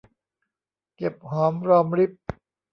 เก็บหอมรอมริบ